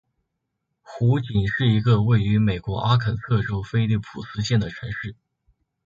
湖景是一个位于美国阿肯色州菲利普斯县的城市。